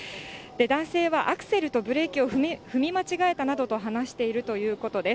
男性はアクセルとブレーキを踏み間違えたなどと話しているということです。